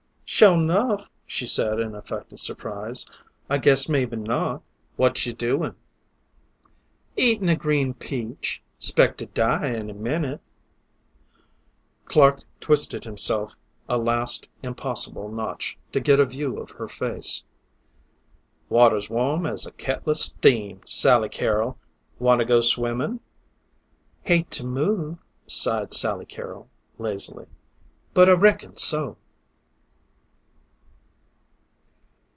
"Sure enough!" she said in affected surprise. "I guess maybe not." "What you doin'?" "Eatin' a green peach. 'Spect to die any minute." Clark twisted himself a last impossible notch to get a view of her face. "Water's warm as a kettla steam, Sally Carol. Wanta go swimmin'?" "Hate to move," sighed Sally Carol lazily, "but I reckon so."